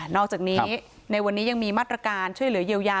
อกจากนี้ในวันนี้ยังมีมาตรการช่วยเหลือเยียวยา